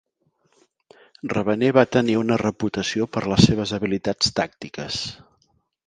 Rebane va tenir una reputació per les seves habilitats tàctiques.